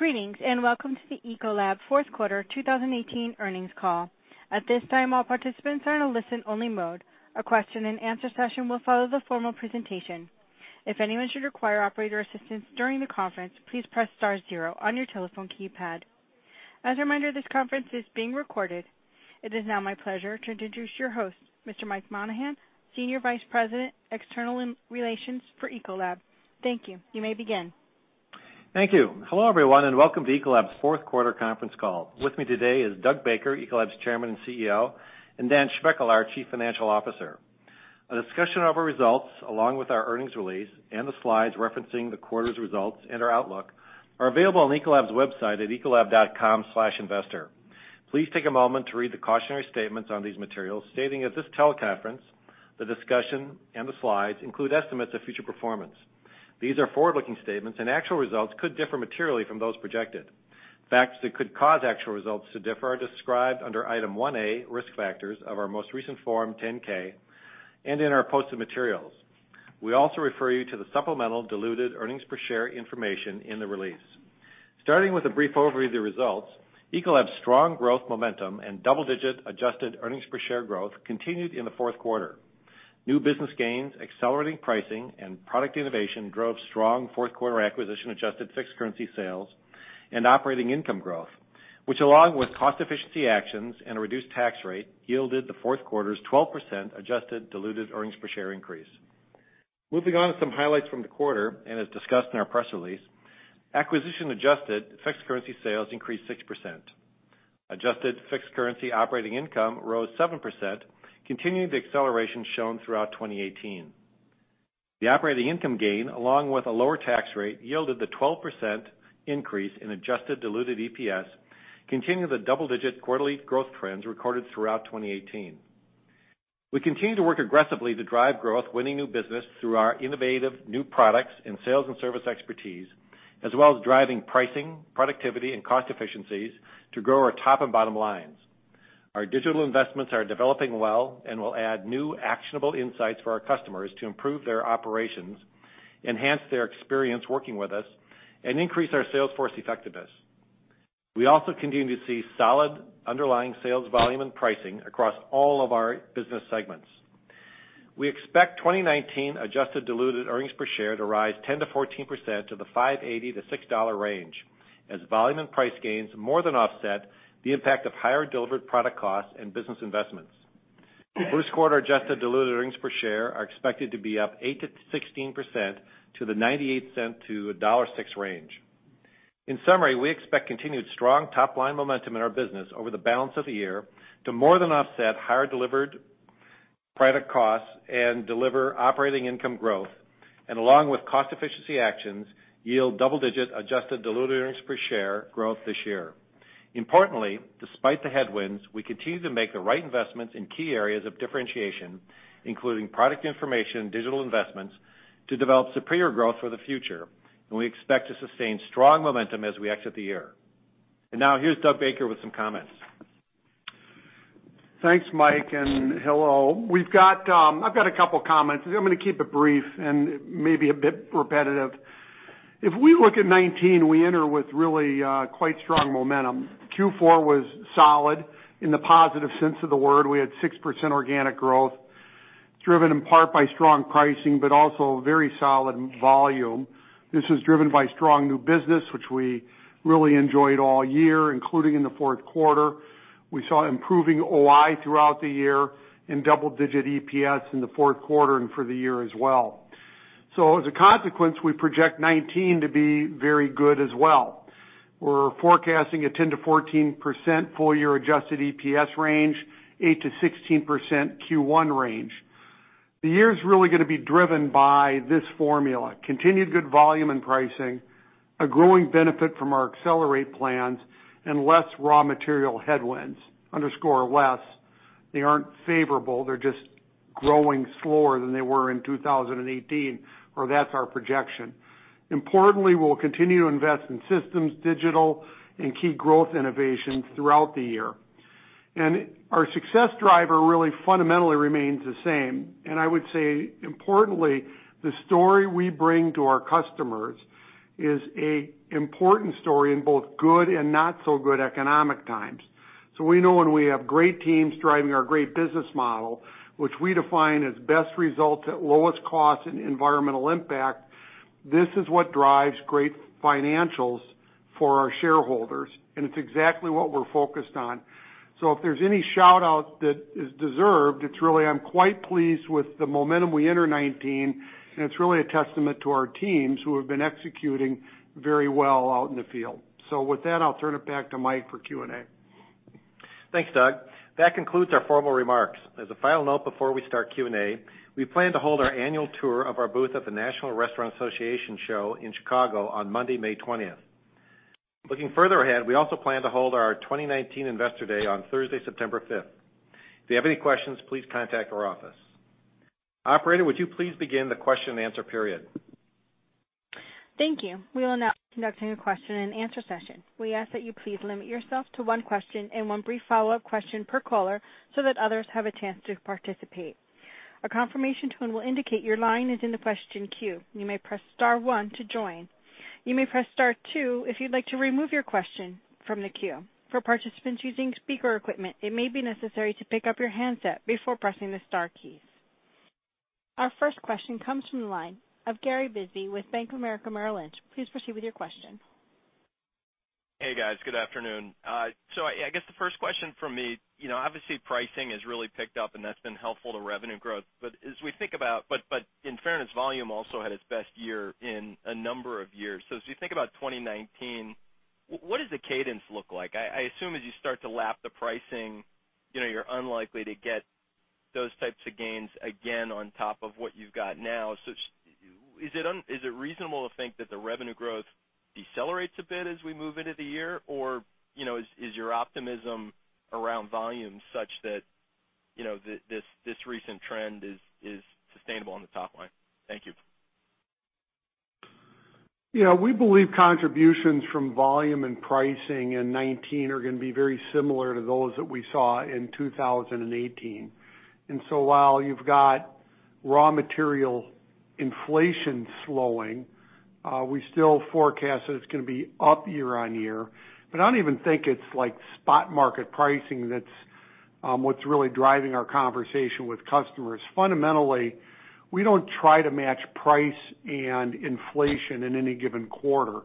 Greetings, welcome to the Ecolab fourth quarter 2018 earnings call. At this time, all participants are in a listen-only mode. A question-and-answer session will follow the formal presentation. If anyone should require operator assistance during the conference, please press star zero on your telephone keypad. As a reminder, this conference is being recorded. It is now my pleasure to introduce your host, Mr. Mike Monahan, Senior Vice President, External Relations for Ecolab. Thank you. You may begin. Thank you. Hello, everyone, welcome to Ecolab's fourth quarter conference call. With me today is Doug Baker, Ecolab's Chairman and CEO, and Dan Schmechel, our Chief Financial Officer. A discussion of our results, along with our earnings release and the slides referencing the quarter's results and our outlook, are available on ecolab.com/investor. Please take a moment to read the cautionary statements on these materials, stating at this teleconference that the discussion and the slides include estimates of future performance. These are forward-looking statements, actual results could differ materially from those projected. Facts that could cause actual results to differ are described under Item 1A, Risk Factors, of our most recent Form 10-K and in our posted materials. We also refer you to the supplemental diluted earnings per share information in the release. Starting with a brief overview of the results, Ecolab's strong growth momentum and double-digit adjusted earnings per share growth continued in the fourth quarter. New business gains, accelerating pricing, and product innovation drove strong fourth-quarter acquisition-adjusted fixed currency sales and operating income growth, which, along with cost efficiency actions and a reduced tax rate, yielded the fourth quarter's 12% adjusted diluted earnings per share increase. Moving on to some highlights from the quarter, as discussed in our press release, acquisition-adjusted fixed currency sales increased 6%. Adjusted fixed currency operating income rose 7%, continuing the acceleration shown throughout 2018. The operating income gain, along with a lower tax rate, yielded the 12% increase in adjusted diluted EPS, continuing the double-digit quarterly growth trends recorded throughout 2018. We continue to work aggressively to drive growth, winning new business through our innovative new products and sales-and-service expertise, as well as driving pricing, productivity, and cost efficiencies to grow our top and bottom lines. Our digital investments are developing well and will add new actionable insights for our customers to improve their operations, enhance their experience working with us, and increase our sales force effectiveness. We also continue to see solid underlying sales volume and pricing across all of our business segments. We expect 2019 adjusted diluted earnings per share to rise 10%-14% to the $5.80-$6.00 range, as volume and price gains more than offset the impact of higher delivered product costs and business investments. First quarter adjusted diluted earnings per share are expected to be up 8%-16% to the $0.98-$1.06 range. In summary, we expect continued strong top-line momentum in our business over the balance of the year to more than offset higher delivered product costs and deliver operating income growth, and along with cost efficiency actions, yield double-digit adjusted diluted earnings per share growth this year. Importantly, despite the headwinds, we continue to make the right investments in key areas of differentiation, including product information and digital investments, to develop superior growth for the future. We expect to sustain strong momentum as we exit the year. Now, here's Doug Baker with some comments. Thanks, Mike, and hello. I've got a couple of comments. I'm going to keep it brief and maybe a bit repetitive. If we look at 2019, we enter with really quite strong momentum. Q4 was solid in the positive sense of the word. We had 6% organic growth, driven in part by strong pricing, but also very solid volume. This was driven by strong new business, which we really enjoyed all year, including in the fourth quarter. We saw improving OI throughout the year and double-digit EPS in the fourth quarter and for the year as well. As a consequence, we project 2019 to be very good as well. We're forecasting a 10%-14% full-year adjusted EPS range, 8%-16% Q1 range. The year is really going to be driven by this formula: continued good volume and pricing, a growing benefit from our Accelerate plans, and less raw material headwinds, underscore less. They aren't favorable. They're just growing slower than they were in 2018, or that's our projection. Importantly, we'll continue to invest in systems, digital, and key growth innovations throughout the year. Our success driver really fundamentally remains the same. I would say, importantly, the story we bring to our customers is an important story in both good and not-so-good economic times. We know when we have great teams driving our great business model, which we define as best results at lowest cost and environmental impact, this is what drives great financials for our shareholders, and it's exactly what we're focused on. If there's any shout-out that is deserved, it's really I'm quite pleased with the momentum we enter 2019, and it's really a testament to our teams who have been executing very well out in the field. With that, I'll turn it back to Mike for Q&A. Thanks, Doug. That concludes our formal remarks. As a final note before we start Q&A, we plan to hold our annual tour of our booth at the National Restaurant Association show in Chicago on Monday, May 20th. Looking further ahead, we also plan to hold our 2019 Investor Day on Thursday, September 5th. If you have any questions, please contact our office. Operator, would you please begin the question and answer period? Thank you. We will now be conducting a question and answer session. We ask that you please limit yourself to one question and one brief follow-up question per caller so that others have a chance to participate. A confirmation tone will indicate your line is in the question queue. You may press star one to join. You may press star two if you'd like to remove your question from the queue. For participants using speaker equipment, it may be necessary to pick up your handset before pressing the star keys. Our first question comes from the line of Gary Bisbee with Bank of America Merrill Lynch. Please proceed with your question. Hey, guys. Good afternoon. I guess the first question from me, obviously pricing has really picked up, and that's been helpful to revenue growth. In fairness, volume also had its best year in a number of years. As you think about 2019, what does the cadence look like? I assume as you start to lap the pricing, you're unlikely to get those types of gains again on top of what you've got now. Is it reasonable to think that the revenue growth decelerates a bit as we move into the year? Is your optimism around volume such that this recent trend is sustainable on the top line? Thank you. We believe contributions from volume and pricing in 2019 are going to be very similar to those that we saw in 2018. While you've got raw material inflation slowing, we still forecast that it's going to be up year-over-year. I don't even think it's spot market pricing that's what's really driving our conversation with customers. Fundamentally, we don't try to match price and inflation in any given quarter.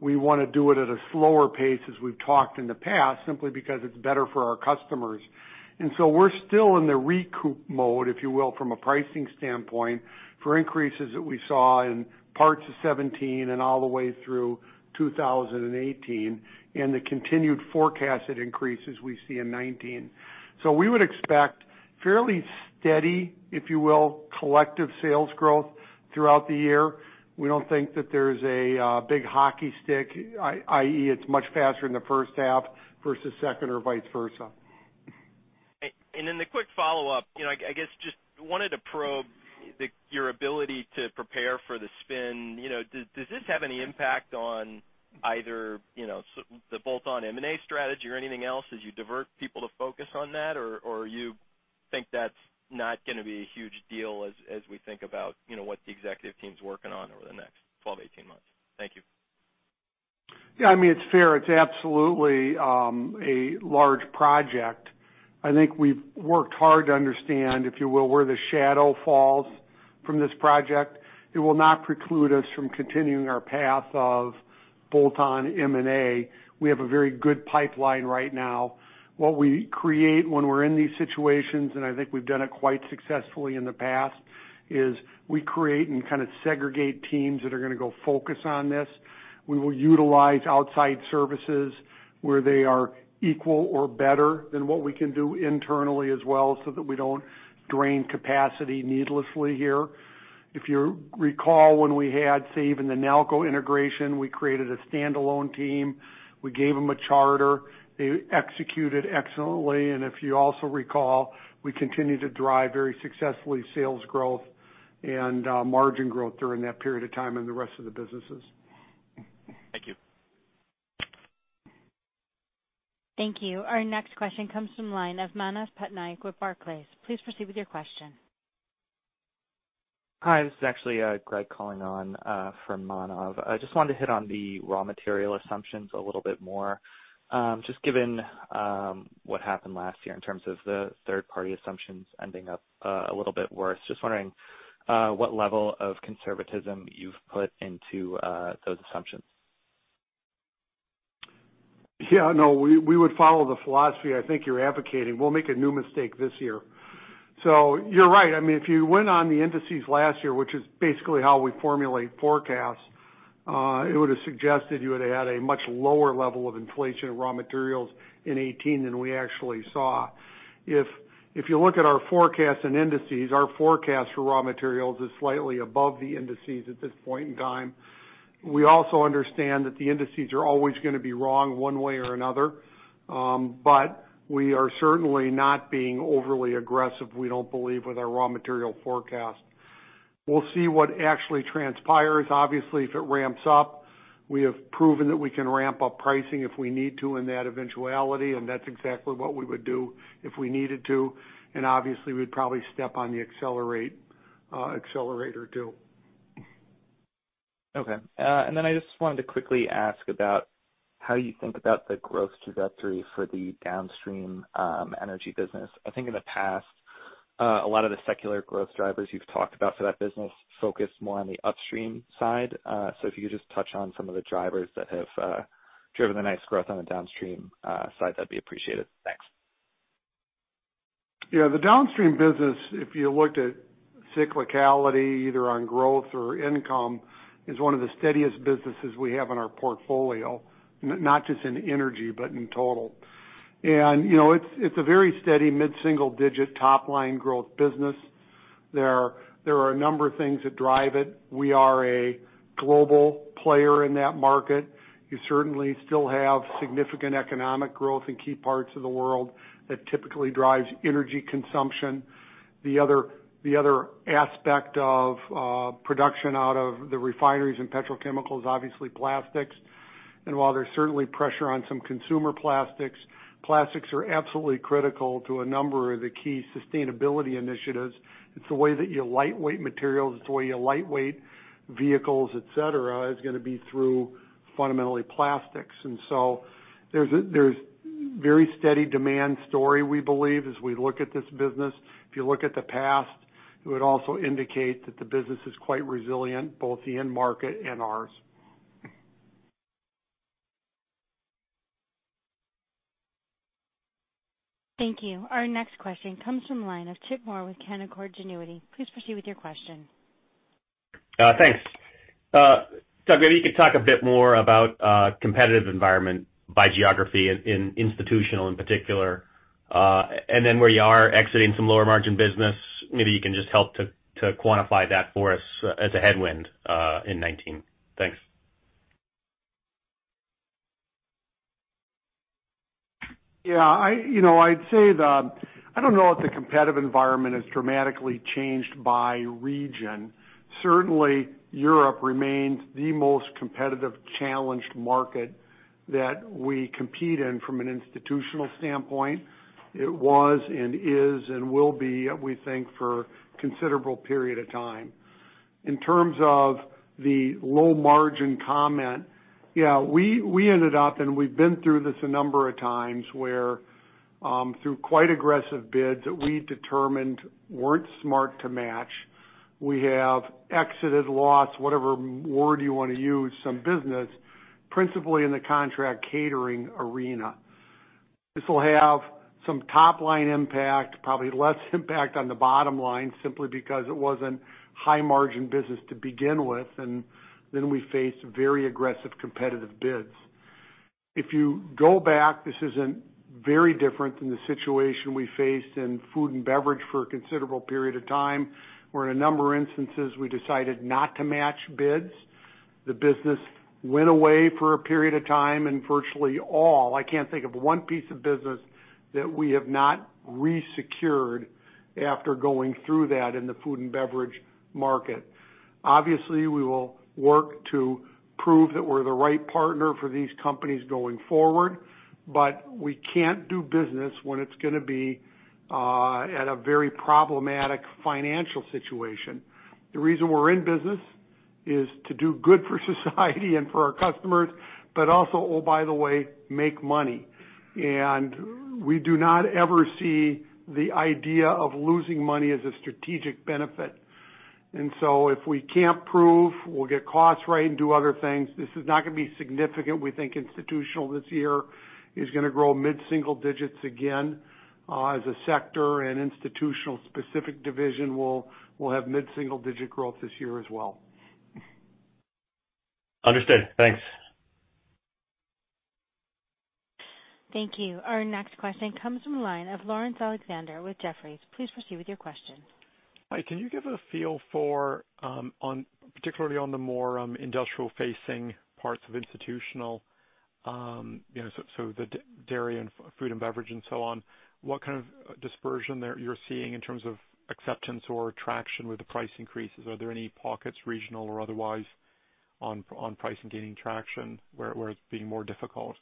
We want to do it at a slower pace, as we've talked in the past, simply because it's better for our customers. We're still in the recoup mode, if you will, from a pricing standpoint for increases that we saw in parts of 2017 and all the way through 2018, and the continued forecasted increases we see in 2019. We would expect fairly steady, if you will, collective sales growth throughout the year. We don't think that there's a big hockey stick, i.e., it's much faster in the first half versus second or vice versa. The quick follow-up, I guess just wanted to probe your ability to prepare for the spin. Does this have any impact on either the bolt-on M&A strategy or anything else as you divert people to focus on that, or you think that's not going to be a huge deal as we think about what the executive team's working on over the next 12, 18 months? Thank you. Yeah, it's fair. It's absolutely a large project. I think we've worked hard to understand, if you will, where the shadow falls from this project. It will not preclude us from continuing our path of bolt-on M&A. We have a very good pipeline right now. What we create when we're in these situations, and I think we've done it quite successfully in the past, is we create and kind of segregate teams that are going to go focus on this. We will utilize outside services where they are equal or better than what we can do internally as well, so that we don't drain capacity needlessly here. If you recall, when we had, say, even the Nalco integration, we created a standalone team. We gave them a charter. They executed excellently, and if you also recall, we continued to drive very successfully sales growth and margin growth during that period of time in the rest of the businesses. Thank you. Thank you. Our next question comes from the line of Manav Patnaik with Barclays. Please proceed with your question. Hi, this is actually Greg calling on from Manav. I just wanted to hit on the raw material assumptions a little bit more. Just given what happened last year in terms of the third-party assumptions ending up a little bit worse, just wondering what level of conservatism you've put into those assumptions. No, we would follow the philosophy I think you're advocating. We'll make a new mistake this year. You're right. If you went on the indices last year, which is basically how we formulate forecasts, it would have suggested you would have had a much lower level of inflation of raw materials in 2018 than we actually saw. If you look at our forecast and indices, our forecast for raw materials is slightly above the indices at this point in time. We also understand that the indices are always going to be wrong one way or another. We are certainly not being overly aggressive, we don't believe, with our raw material forecast. We'll see what actually transpires. Obviously, if it ramps up, we have proven that we can ramp up pricing if we need to in that eventuality, and that's exactly what we would do if we needed to. Obviously, we'd probably step on the accelerator, too. Okay. I just wanted to quickly ask about how you think about the growth trajectory for the downstream energy business. I think in the past, a lot of the secular growth drivers you've talked about for that business focus more on the upstream side. If you could just touch on some of the drivers that have driven the nice growth on the downstream side, that'd be appreciated. Thanks. Yeah. The downstream business, if you looked at cyclicality, either on growth or income, is one of the steadiest businesses we have in our portfolio, not just in energy, but in total. It's a very steady mid-single-digit top-line growth business. There are a number of things that drive it. We are a global player in that market. You certainly still have significant economic growth in key parts of the world that typically drives energy consumption. The other aspect of production out of the refineries and petrochemicals, obviously plastics. While there's certainly pressure on some consumer plastics are absolutely critical to a number of the key sustainability initiatives. It's the way that you lightweight materials, it's the way you lightweight vehicles, et cetera, is going to be through fundamentally plastics. There's very steady demand story, we believe, as we look at this business. If you look at the past, it would also indicate that the business is quite resilient, both the end market and ours. Thank you. Our next question comes from the line of Chip Moore with Canaccord Genuity. Please proceed with your question. Thanks. Doug, maybe you could talk a bit more about competitive environment by geography in institutional, in particular. Then where you are exiting some lower margin business, maybe you can just help to quantify that for us as a headwind in 2019. Thanks. Yeah. I don't know if the competitive environment has dramatically changed by region. Certainly, Europe remains the most competitive challenged market that we compete in from an institutional standpoint. It was and is and will be, we think, for considerable period of time. In terms of the low margin comment, yeah, we ended up, and we've been through this a number of times, where through quite aggressive bids that we determined weren't smart to match, we have exited, lost, whatever word you want to use, some business, principally in the contract catering arena. This will have some top-line impact, probably less impact on the bottom line, simply because it wasn't high margin business to begin with, and then we faced very aggressive competitive bids. If you go back, this isn't very different than the situation we faced in food and beverage for a considerable period of time, where in a number of instances, we decided not to match bids. The business went away for a period of time, and virtually all, I can't think of one piece of business that we have not resecured after going through that in the food and beverage market. Obviously, we will work to prove that we're the right partner for these companies going forward, but we can't do business when it's going to be at a very problematic financial situation. The reason we're in business is to do good for society and for our customers, but also, oh, by the way, make money. We do not ever see the idea of losing money as a strategic benefit. If we can't prove we'll get costs right and do other things, this is not going to be significant. We think institutional this year is going to grow mid-single digits again. As a sector and institutional specific division, we'll have mid-single digit growth this year as well. Understood. Thanks. Thank you. Our next question comes from the line of Laurence Alexander with Jefferies. Please proceed with your question. Hi. Can you give a feel for, particularly on the more industrial facing parts of institutional, so the dairy and food and beverage and so on, what kind of dispersion you're seeing in terms of acceptance or traction with the price increases? Are there any pockets, regional or otherwise, on price and gaining traction where it's being more difficult?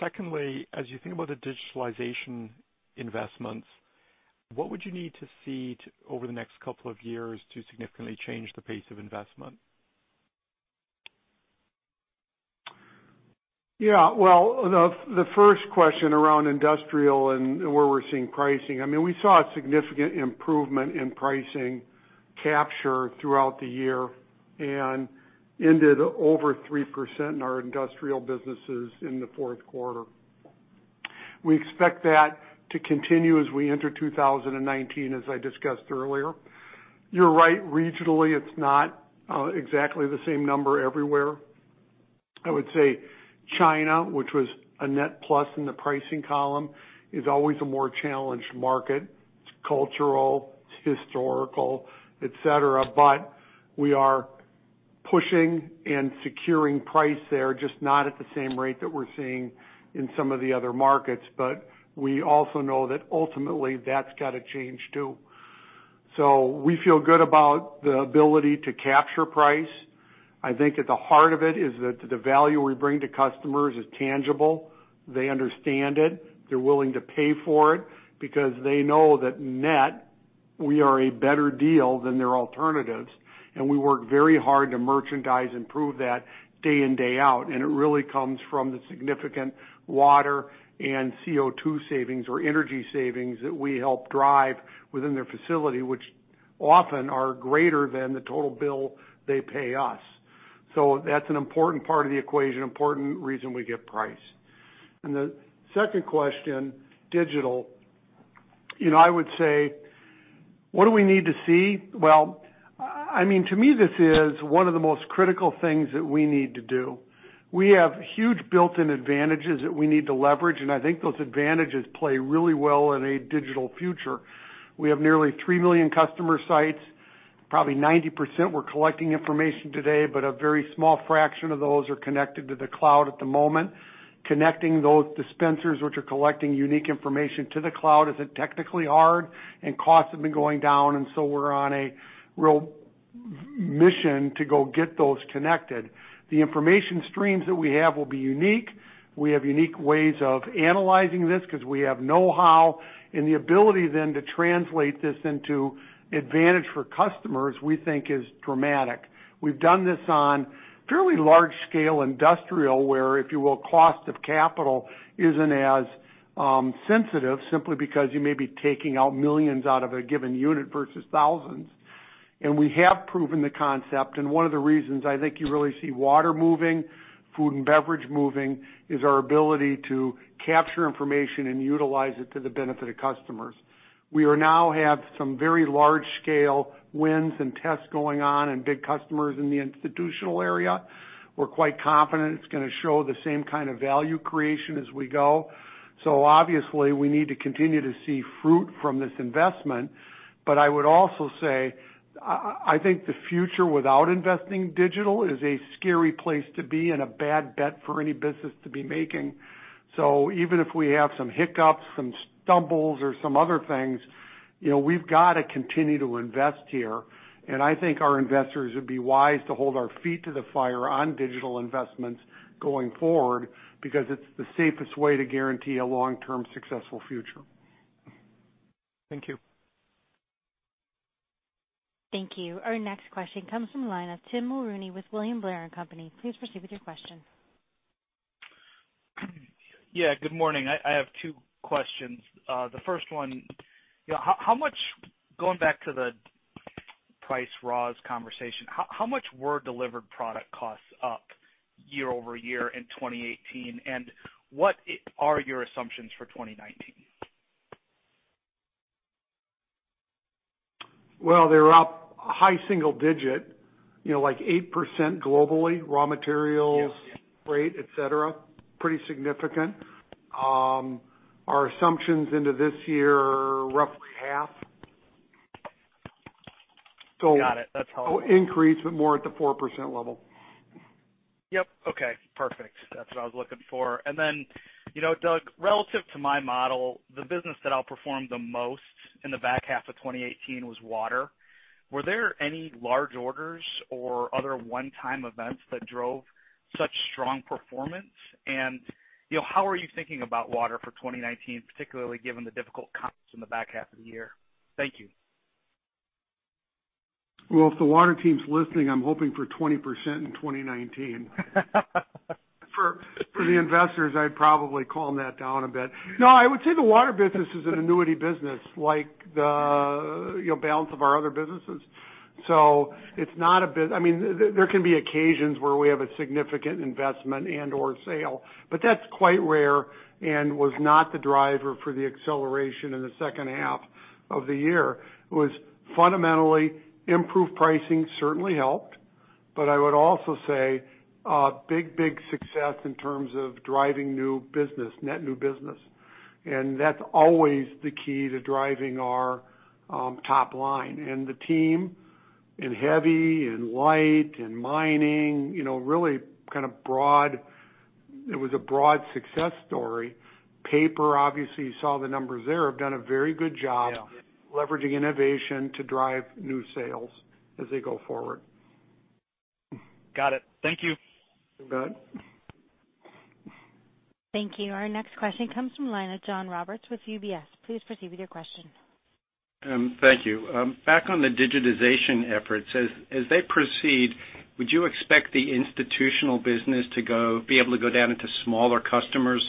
Secondly, as you think about the digitalization investments, what would you need to see over the next couple of years to significantly change the pace of investment? Well, the first question around industrial and where we're seeing pricing. We saw a significant improvement in pricing capture throughout the year and ended over 3% in our industrial businesses in the fourth quarter. We expect that to continue as we enter 2019, as I discussed earlier. You're right. Regionally, it's not exactly the same number everywhere. I would say China, which was a net plus in the pricing column, is always a more challenged market. It's cultural, it's historical, et cetera. We are pushing and securing price there, just not at the same rate that we're seeing in some of the other markets. We also know that ultimately, that's got to change, too. We feel good about the ability to capture price. I think at the heart of it is that the value we bring to customers is tangible. They understand it. They're willing to pay for it because they know that net, we are a better deal than their alternatives, and we work very hard to merchandise and prove that day in, day out. It really comes from the significant water and CO2 savings or energy savings that we help drive within their facility, which often are greater than the total bill they pay us. That's an important part of the equation, important reason we get price. The second question, digital. I would say, what do we need to see? Well, to me, this is one of the most critical things that we need to do. We have huge built-in advantages that we need to leverage, and I think those advantages play really well in a digital future. We have nearly three million customer sites. Probably 90% we're collecting information today, but a very small fraction of those are connected to the cloud at the moment. Connecting those dispensers, which are collecting unique information to the cloud, isn't technically hard, and costs have been going down. We're on a real mission to go get those connected. The information streams that we have will be unique. We have unique ways of analyzing this because we have know-how, and the ability then to translate this into advantage for customers, we think is dramatic. We've done this on fairly large scale industrial, where, if you will, cost of capital isn't as sensitive, simply because you may be taking out millions out of a given unit versus thousands. We have proven the concept. One of the reasons I think you really see water moving, food and beverage moving, is our ability to capture information and utilize it to the benefit of customers. We now have some very large-scale wins and tests going on and big customers in the institutional area. We're quite confident it's going to show the same kind of value creation as we go. Obviously, we need to continue to see fruit from this investment. I would also say, I think the future without investing digital is a scary place to be and a bad bet for any business to be making. Even if we have some hiccups, some stumbles, or some other things, we've got to continue to invest here. I think our investors would be wise to hold our feet to the fire on digital investments going forward, because it's the safest way to guarantee a long-term successful future. Thank you. Thank you. Our next question comes from the line of Tim Mulrooney with William Blair & Company. Please proceed with your question. Yeah, good morning. I have two questions. The first one, going back to the price raws conversation, how much were delivered product costs up year-over-year in 2018? What are your assumptions for 2019? Well, they were up high single digit, like 8% globally, raw materials- Yeah rate, et cetera. Pretty significant. Our assumptions into this year are roughly half. Got it. That's helpful. Increase, but more at the 4% level. Yep. Okay, perfect. That's what I was looking for. Doug, relative to my model, the business that outperformed the most in the back half of 2018 was water. Were there any large orders or other one-time events that drove such strong performance? How are you thinking about water for 2019, particularly given the difficult comps in the back half of the year? Thank you. Well, if the water team's listening, I'm hoping for 20% in 2019. For the investors, I'd probably calm that down a bit. No, I would say the water business is an annuity business, like the balance of our other businesses. There can be occasions where we have a significant investment and/or sale, but that's quite rare and was not the driver for the acceleration in the second half of the year. It was fundamentally improved pricing certainly helped, but I would also say, a big success in terms of driving net new business. That's always the key to driving our top line. The team in heavy, in light, in mining, it was a broad success story. Paper, obviously, you saw the numbers there, have done a very good job- Yeah Leveraging innovation to drive new sales as they go forward. Got it. Thank you. You bet. Thank you. Our next question comes from the line of John Roberts with UBS. Please proceed with your question. Thank you. Back on the digitization efforts, as they proceed, would you expect the institutional business to be able to go down into smaller customers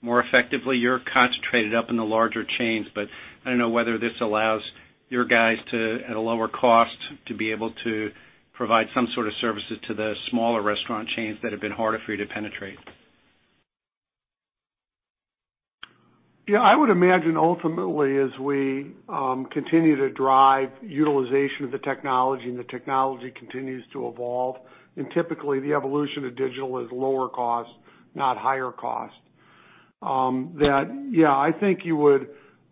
more effectively? You're concentrated up in the larger chains, but I don't know whether this allows your guys to, at a lower cost, to be able to provide some sort of services to the smaller restaurant chains that have been harder for you to penetrate. Yeah, I would imagine ultimately, as we continue to drive utilization of the technology and the technology continues to evolve, and typically the evolution of digital is lower cost, not higher cost.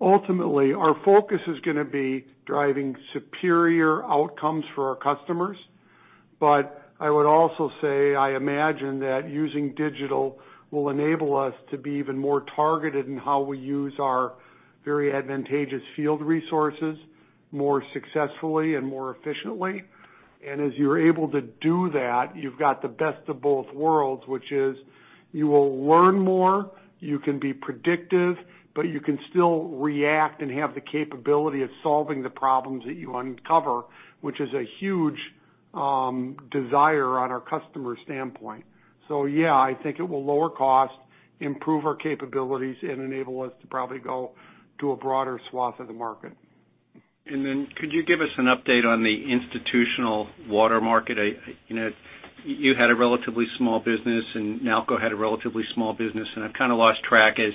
Ultimately, our focus is going to be driving superior outcomes for our customers. I would also say, I imagine that using digital will enable us to be even more targeted in how we use our very advantageous field resources more successfully and more efficiently. As you're able to do that, you've got the best of both worlds, which is you will learn more, you can be predictive, but you can still react and have the capability of solving the problems that you uncover, which is a huge desire on our customer standpoint. Yeah, I think it will lower cost, improve our capabilities, and enable us to probably go to a broader swath of the market. Could you give us an update on the institutional water market? You had a relatively small business, and Nalco had a relatively small business, and I've kind of lost track as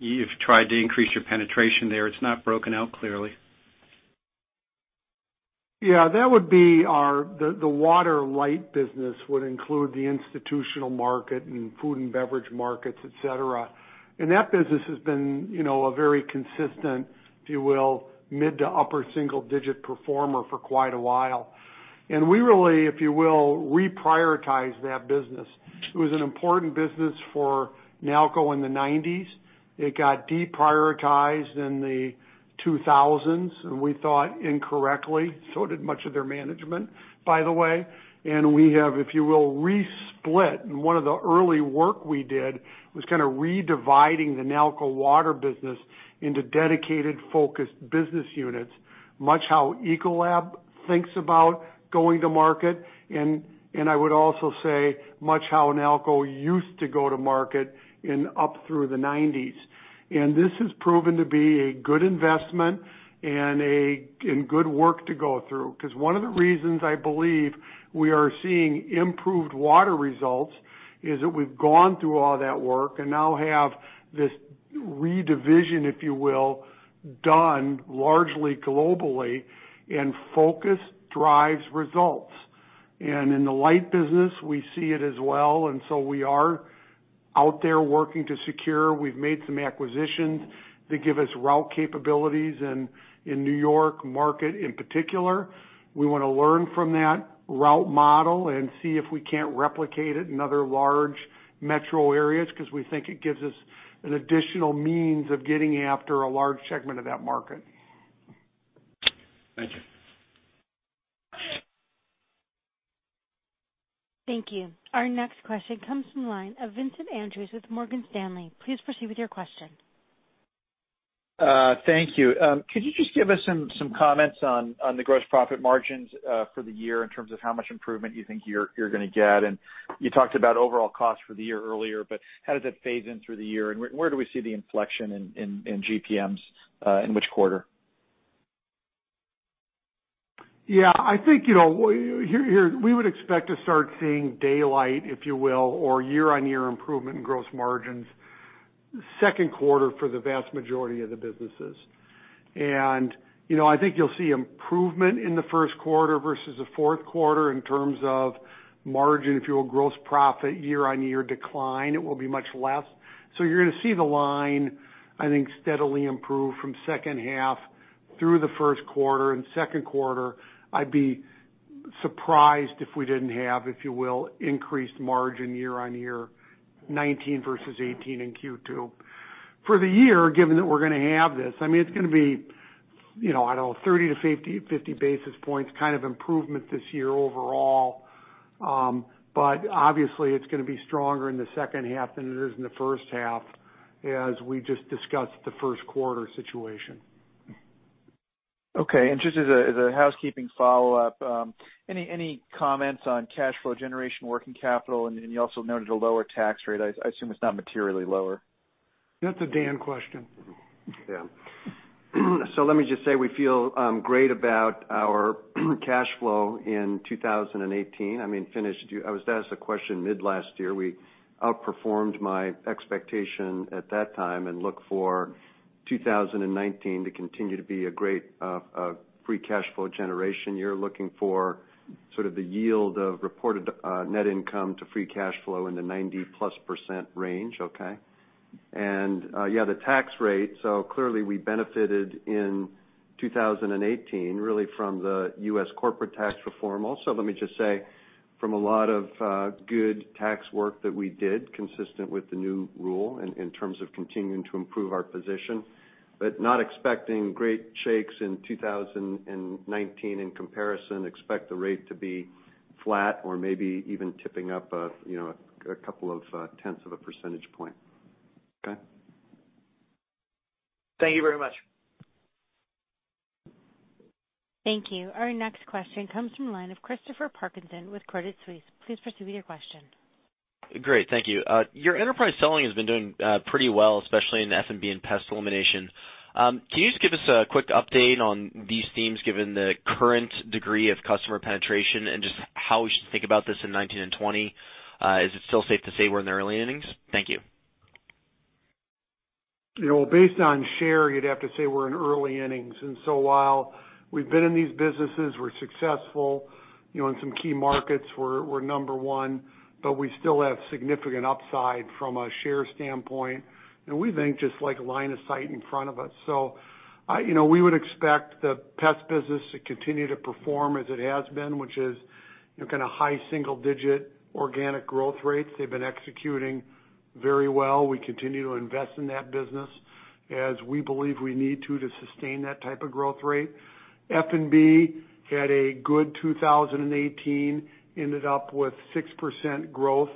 you've tried to increase your penetration there. It's not broken out clearly. Yeah, the water light business would include the institutional market and food and beverage markets, et cetera. That business has been a very consistent, if you will, mid to upper single-digit performer for quite a while. We really, if you will, reprioritized that business. It was an important business for Nalco in the 1990s. It got deprioritized in the 2000s, and we thought incorrectly, so did much of their management, by the way. We have, if you will, resplit. One of the early work we did was kind of redividing the Nalco Water business into dedicated focused business units, much how Ecolab thinks about going to market. I would also say much how Nalco used to go to market up through the 1990s. This has proven to be a good investment and good work to go through. Because one of the reasons I believe we are seeing improved water results is that we've gone through all that work and now have this redivision, if you will, done largely globally, and focus drives results. In the light business, we see it as well. So we are out there working to secure. We've made some acquisitions that give us route capabilities in New York market in particular. We want to learn from that route model and see if we can't replicate it in other large metro areas, because we think it gives us an additional means of getting after a large segment of that market. Thank you. Thank you. Our next question comes from the line of Vincent Andrews with Morgan Stanley. Please proceed with your question. Thank you. Could you just give us some comments on the gross profit margins for the year in terms of how much improvement you think you're going to get? You talked about overall costs for the year earlier, but how does it phase in through the year and where do we see the inflection in GPMs, in which quarter? Yeah, I think we would expect to start seeing daylight, if you will, or year-on-year improvement in gross margins second quarter for the vast majority of the businesses. I think you'll see improvement in the first quarter versus the fourth quarter in terms of margin. If you will, gross profit year-on-year decline, it will be much less. You're going to see the line, I think, steadily improve from second half through the first quarter and second quarter. I'd be surprised if we didn't have, if you will, increased margin year-on-year 2019 versus 2018 in Q2. For the year, given that we're going to have this, I mean, it's going to be, I don't know, 30-50 basis points kind of improvement this year overall. Obviously, it's going to be stronger in the second half than it is in the first half, as we just discussed the first quarter situation. Okay. Just as a housekeeping follow-up, any comments on cash flow generation, working capital, and you also noted a lower tax rate. I assume it's not materially lower. That's a Dan question. Yeah. Let me just say we feel great about our cash flow in 2018. I was asked that question mid last year. We outperformed my expectation at that time and look for 2019 to continue to be a great free cash flow generation year. Looking for sort of the yield of reported net income to free cash flow in the 90-plus % range, okay? Yeah, the tax rate. Clearly we benefited in 2018, really from the U.S. corporate tax reform. Also, let me just say, from a lot of good tax work that we did, consistent with the new rule in terms of continuing to improve our position, but not expecting great shakes in 2019 in comparison. Expect the rate to be flat or maybe even tipping up a couple of tenths of a percentage point. Okay? Thank you very much. Thank you. Our next question comes from the line of Christopher Parkinson with Credit Suisse. Please proceed with your question. Great. Thank you. Your enterprise selling has been doing pretty well, especially in F&B and pest elimination. Can you just give us a quick update on these themes, given the current degree of customer penetration and just how we should think about this in 2019 and 2020? Is it still safe to say we're in the early innings? Thank you. Based on share, you'd have to say we're in early innings. While we've been in these businesses, we're successful. In some key markets, we're number 1, but we still have significant upside from a share standpoint, and we think just like a line of sight in front of us. We would expect the pest business to continue to perform as it has been, which is kind of high single digit organic growth rates. They've been executing very well. We continue to invest in that business as we believe we need to sustain that type of growth rate. F&B had a good 2018, ended up with 6% growth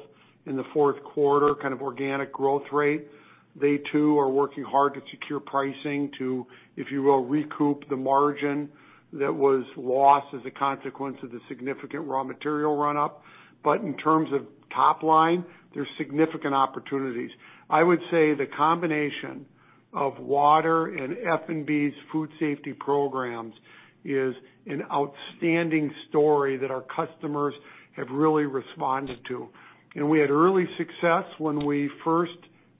in the fourth quarter, kind of organic growth rate. They too are working hard to secure pricing to, if you will, recoup the margin that was lost as a consequence of the significant raw material run up. In terms of top line, there's significant opportunities. I would say the combination of water and F&B's food safety programs is an outstanding story that our customers have really responded to. We had early success when we first,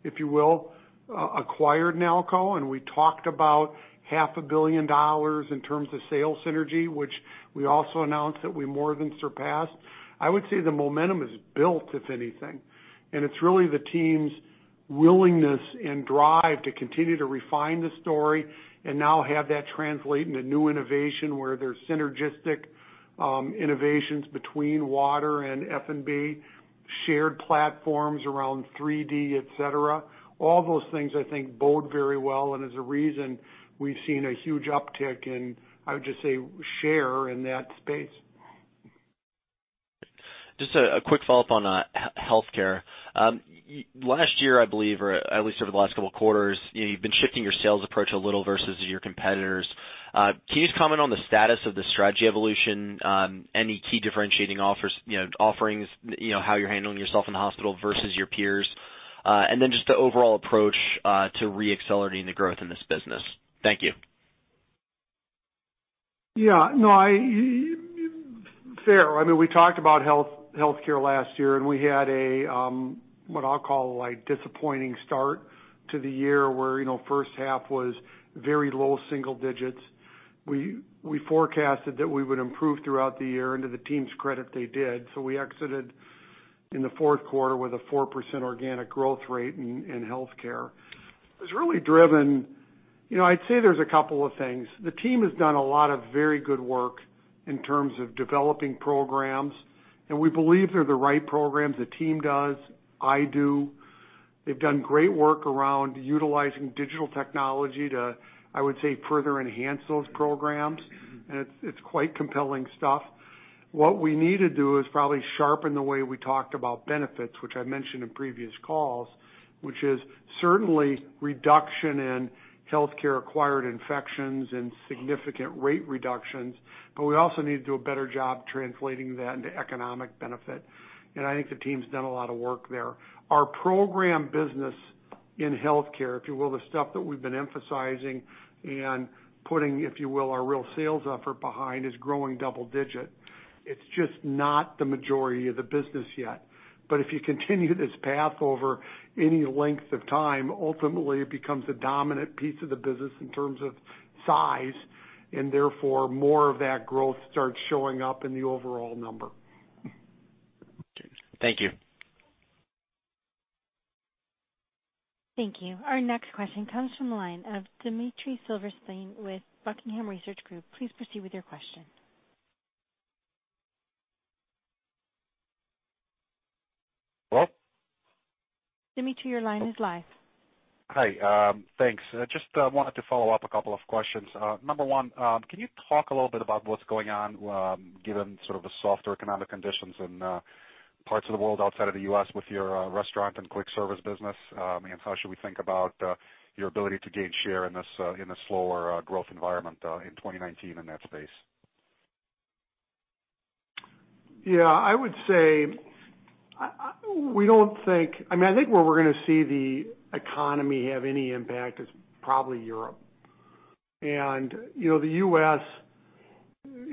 if you will, acquired Nalco, and we talked about half a billion dollars in terms of sales synergy, which we also announced that we more than surpassed. I would say the momentum is built, if anything, and it's really the team's willingness and drive to continue to refine the story and now have that translate into new innovation where there's synergistic innovations between water and F&B, shared platforms around 3D, et cetera. All those things, I think, bode very well and is a reason we've seen a huge uptick in, I would just say, share in that space. Just a quick follow-up on healthcare. Last year, I believe, or at least over the last couple of quarters, you've been shifting your sales approach a little versus your competitors. Can you just comment on the status of the strategy evolution, any key differentiating offerings, how you're handling yourself in the hospital versus your peers, and then just the overall approach to re-accelerating the growth in this business? Thank you. Yeah. Fair. We talked about healthcare last year. We had a, what I'll call, disappointing start to the year where first half was very low single digits. We forecasted that we would improve throughout the year, and to the team's credit, they did. We exited in the fourth quarter with a 4% organic growth rate in healthcare. I'd say there's a couple of things. The team has done a lot of very good work in terms of developing programs, and we believe they're the right programs. The team does. I do. They've done great work around utilizing digital technology to, I would say, further enhance those programs, and it's quite compelling stuff. What we need to do is probably sharpen the way we talked about benefits, which I mentioned in previous calls, which is certainly reduction in healthcare acquired infections and significant rate reductions. We also need to do a better job translating that into economic benefit. I think the team's done a lot of work there. Our program business in healthcare, if you will, the stuff that we've been emphasizing and putting, if you will, our real sales effort behind, is growing double digit. It's just not the majority of the business yet. If you continue this path over any length of time, ultimately it becomes a dominant piece of the business in terms of size, and therefore, more of that growth starts showing up in the overall number. Thank you. Thank you. Our next question comes from the line of Dmitry Silverstein with Buckingham Research Group. Please proceed with your question. Hello? Dmitry, your line is live. Hi. Thanks. Just wanted to follow up a couple of questions. Number one, can you talk a little bit about what's going on, given sort of the softer economic conditions in parts of the world outside of the U.S. with your restaurant and quick service business? How should we think about your ability to gain share in this slower growth environment in 2019 in that space? Yeah, I think where we're going to see the economy have any impact is probably Europe. The U.S.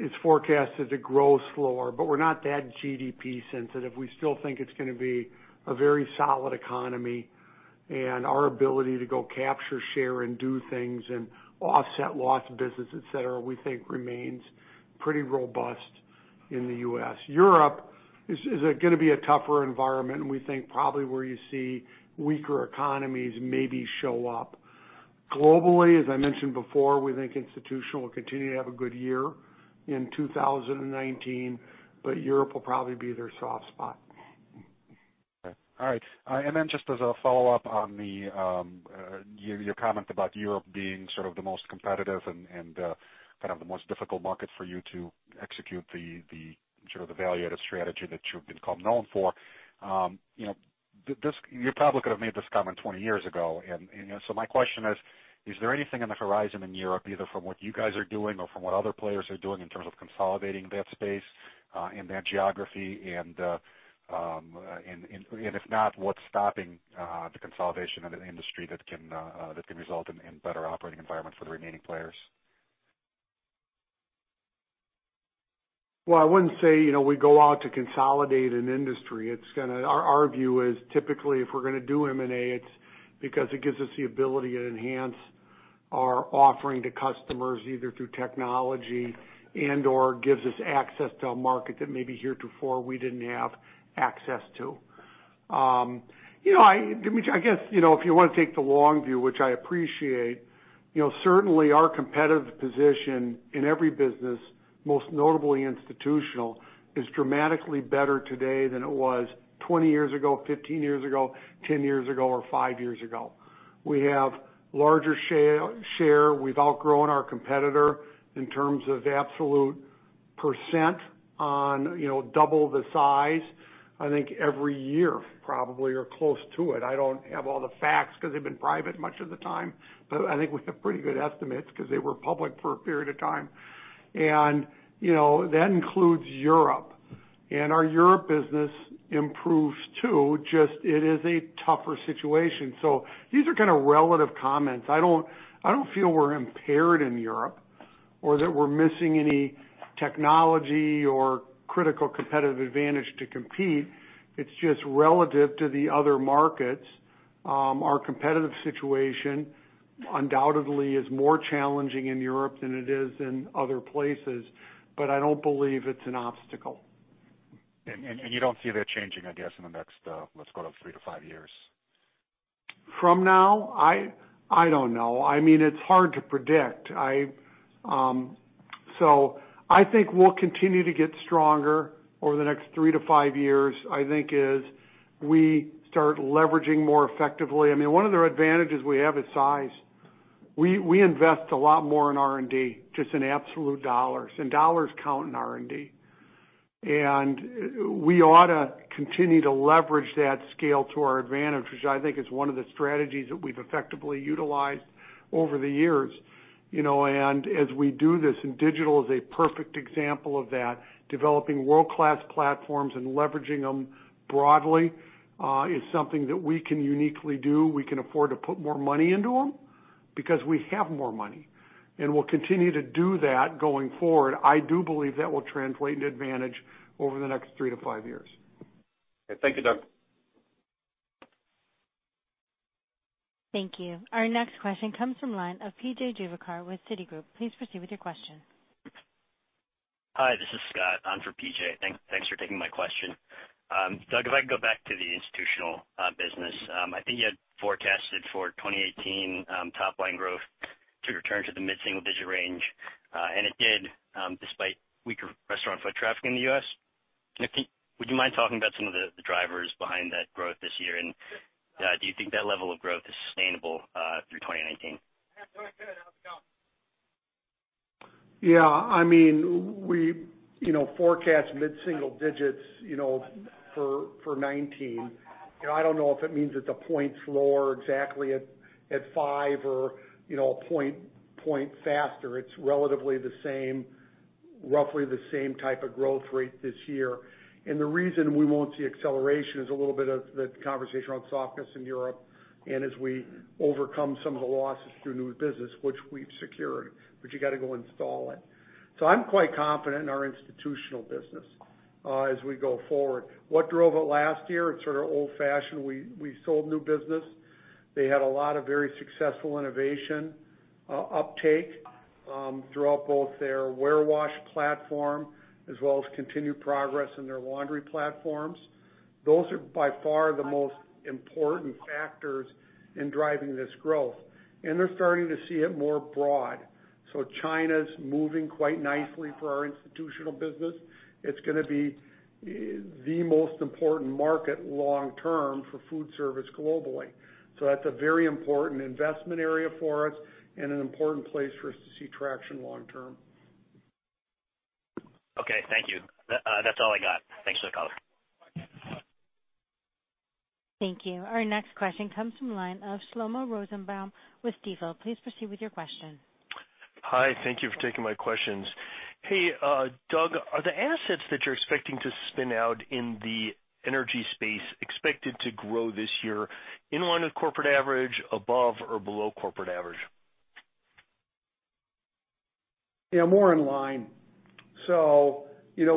is forecasted to grow slower, but we're not that GDP sensitive. We still think it's going to be a very solid economy, and our ability to go capture, share, and do things and offset lost business, et cetera, we think remains pretty robust in the U.S. Europe is going to be a tougher environment, and we think probably where you see weaker economies maybe show up. Globally, as I mentioned before, we think institutional will continue to have a good year in 2019, but Europe will probably be their soft spot. Okay. All right. Just as a follow-up on your comment about Europe being sort of the most competitive and kind of the most difficult market for you to execute the value-added strategy that you've become known for. You probably could have made this comment 20 years ago. My question is there anything on the horizon in Europe, either from what you guys are doing or from what other players are doing in terms of consolidating that space in that geography? If not, what's stopping the consolidation of an industry that can result in better operating environments for the remaining players? Well, I wouldn't say we go out to consolidate an industry. Our view is typically if we're going to do M&A, it's because it gives us the ability to enhance our offering to customers, either through technology and/or gives us access to a market that maybe heretofore we didn't have access to. I guess, if you want to take the long view, which I appreciate, certainly our competitive position in every business, most notably institutional, is dramatically better today than it was 20 years ago, 15 years ago, 10 years ago, or five years ago. We have larger share. We've outgrown our competitor in terms of absolute percent on double the size, I think, every year probably, or close to it. I don't have all the facts because they've been private much of the time, but I think we have pretty good estimates because they were public for a period of time. That includes Europe. Our Europe business improves, too. Just, it is a tougher situation. These are kind of relative comments. I don't feel we're impaired in Europe or that we're missing any technology or critical competitive advantage to compete. It's just relative to the other markets. Our competitive situation undoubtedly is more challenging in Europe than it is in other places, but I don't believe it's an obstacle. You don't see that changing, I guess, in the next, let's go to 3-5 years. From now? I don't know. It's hard to predict. I think we'll continue to get stronger over the next three to five years, I think as we start leveraging more effectively. One of the advantages we have is size. We invest a lot more in R&D, just in absolute dollars, and dollars count in R&D. We ought to continue to leverage that scale to our advantage, which I think is one of the strategies that we've effectively utilized over the years. As we do this, and digital is a perfect example of that, developing world-class platforms and leveraging them broadly, is something that we can uniquely do. We can afford to put more money into them because we have more money, and we'll continue to do that going forward. I do believe that will translate into advantage over the next three to five years. Okay. Thank you, Doug. Thank you. Our next question comes from the line of P.J. Juvekar with Citigroup. Please proceed with your question. Hi, this is Scott. I'm for PJ. Thanks for taking my question. Doug, if I can go back to the institutional business. I think you had forecasted for 2018 top-line growth to return to the mid-single-digit range, and it did, despite weaker restaurant foot traffic in the U.S. Would you mind talking about some of the drivers behind that growth this year? Do you think that level of growth is sustainable through 2019? Yeah. We forecast mid-single digits for 2019. I don't know if it means it's a point slower exactly at five or a point faster. It's relatively roughly the same type of growth rate this year. The reason we won't see acceleration is a little bit of the conversation around softness in Europe, and as we overcome some of the losses through new business, which we've secured, but you got to go install it. I'm quite confident in our institutional business as we go forward. What drove it last year? It's sort of old-fashioned. We sold new business. They had a lot of very successful innovation uptake throughout both their Warewash platform as well as continued progress in their laundry platforms. Those are by far the most important factors in driving this growth, and they're starting to see it more broad. China's moving quite nicely for our institutional business. It's going to be the most important market long term for food service globally. That's a very important investment area for us and an important place for us to see traction long term. Okay. Thank you. That's all I got. Thanks for the call. Thank you. Our next question comes from the line of Shlomo Rosenbaum with Stifel. Please proceed with your question. Hi. Thank you for taking my questions. Hey, Doug, are the assets that you're expecting to spin out in the energy space expected to grow this year in line with corporate average, above, or below corporate average? Yeah, more in line.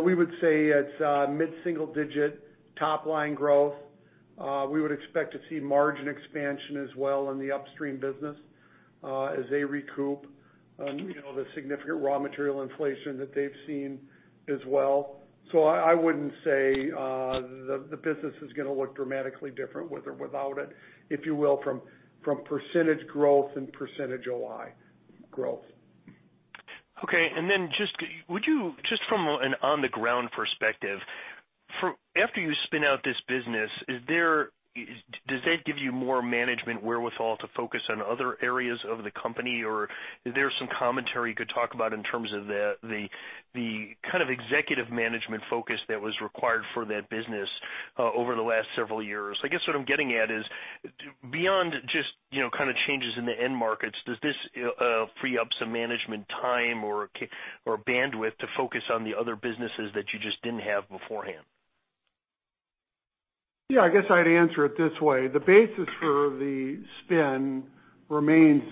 We would say it's mid-single digit top-line growth. We would expect to see margin expansion as well in the upstream business as they recoup the significant raw material inflation that they've seen as well. I wouldn't say the business is going to look dramatically different with or without it, if you will, from percentage growth and percentage OI growth. Okay. Just from an on-the-ground perspective, after you spin out this business, does that give you more management wherewithal to focus on other areas of the company? Is there some commentary you could talk about in terms of the kind of executive management focus that was required for that business over the last several years? I guess what I'm getting at is beyond just kind of changes in the end markets, does this free up some management time or bandwidth to focus on the other businesses that you just didn't have beforehand? Yeah, I guess I'd answer it this way. The basis for the spin remains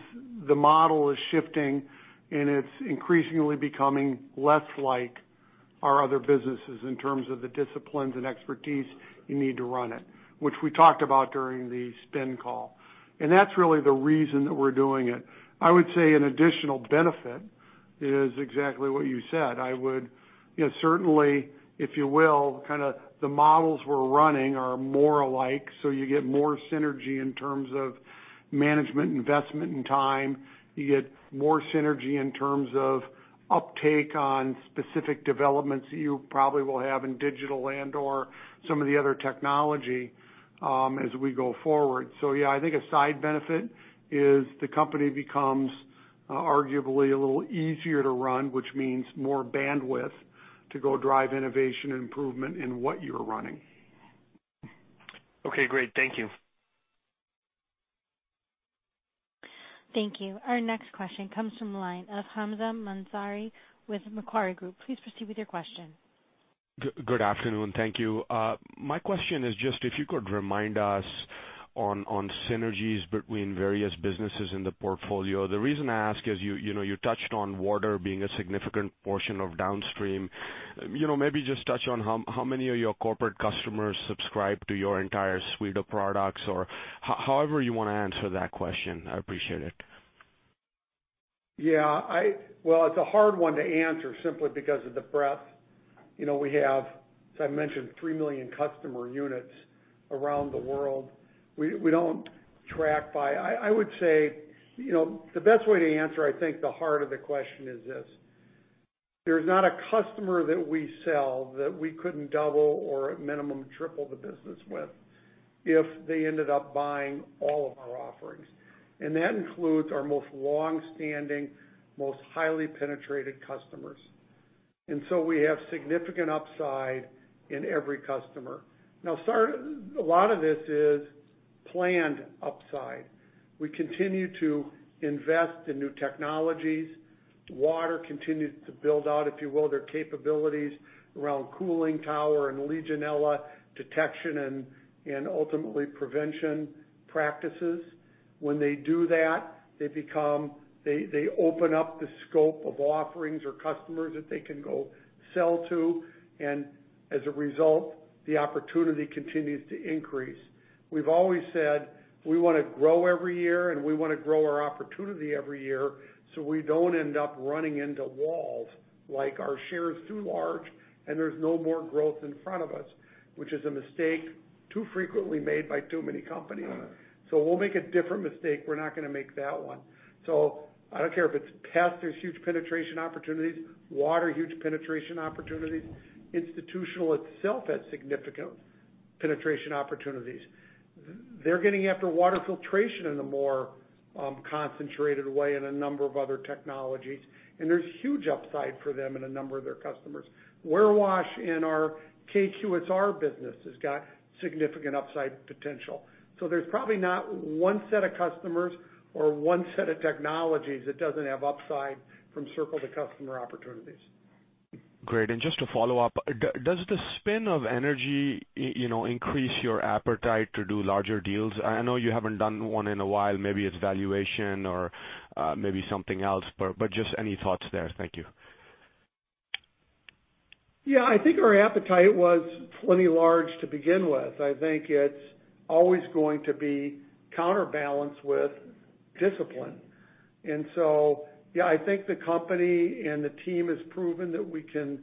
the model is shifting, and it's increasingly becoming less like our other businesses in terms of the disciplines and expertise you need to run it, which we talked about during the spin call. That's really the reason that we're doing it. I would say an additional benefit is exactly what you said. Certainly, if you will, the models we're running are more alike, so you get more synergy in terms of management investment and time. You get more synergy in terms of uptake on specific developments that you probably will have in digital and/or some of the other technology as we go forward. Yeah, I think a side benefit is the company becomes arguably a little easier to run, which means more bandwidth to go drive innovation and improvement in what you're running. Okay, great. Thank you. Thank you. Our next question comes from the line of Hamzah Mazari with Macquarie Group. Please proceed with your question. Good afternoon. Thank you. My question is just if you could remind us on synergies between various businesses in the portfolio. The reason I ask is you touched on water being a significant portion of downstream. Maybe just touch on how many of your corporate customers subscribe to your entire suite of products, or however you want to answer that question. I appreciate it. Well, it's a hard one to answer simply because of the breadth. We have, as I mentioned, 3 million customer units around the world. We don't track by I would say, the best way to answer, I think, the heart of the question is this: There's not a customer that we sell that we couldn't double or at minimum triple the business with, if they ended up buying all of our offerings. That includes our most longstanding, most highly penetrated customers. We have significant upside in every customer. Now, a lot of this is planned upside. We continue to invest in new technologies. Water continues to build out, if you will, their capabilities around cooling tower and legionella detection and ultimately prevention practices. When they do that, they open up the scope of offerings or customers that they can go sell to, and as a result, the opportunity continues to increase. We've always said we want to grow every year, and we want to grow our opportunity every year, so we don't end up running into walls, like our share is too large and there's no more growth in front of us, which is a mistake too frequently made by too many companies. We'll make a different mistake. We're not going to make that one. I don't care if it's pest, there's huge penetration opportunities, water, huge penetration opportunities. Institutional itself has significant penetration opportunities. They're getting after water filtration in a more concentrated way in a number of other technologies, and there's huge upside for them in a number of their customers. Warewash in our KQSR business has got significant upside potential. There's probably not one set of customers or one set of technologies that doesn't have upside from circle-to-customer opportunities. Great. Just to follow up, does the spin of energy increase your appetite to do larger deals? I know you haven't done one in a while. Maybe it's valuation or maybe something else, but just any thoughts there. Thank you. Yeah, I think our appetite was plenty large to begin with. I think it's always going to be counterbalanced with discipline. Yeah, I think the company and the team has proven that we can